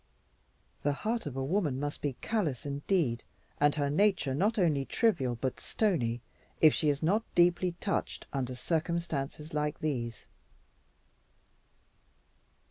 The heart of a woman must be callous indeed, and her nature not only trivial but stony if she is not deeply touched under circumstances like these.